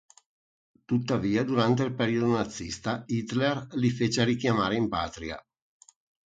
Tuttavia durante il periodo nazista, Hitler li fece richiamare in patria.